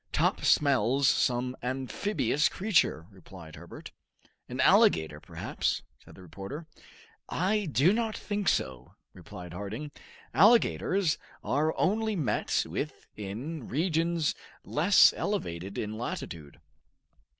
"Top smells some amphibious creature," replied Herbert. "An alligator, perhaps," said the reporter. "I do not think so," replied Harding. "Alligators are only met with in regions less elevated in latitude."